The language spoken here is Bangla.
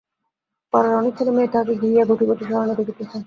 পাড়ার অনেক ছেলেমেয়ে তাহাকে ঘিরিয়া ঘটিবাটি সারানো দেখিতেছে।